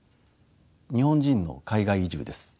日本人の海外移住です。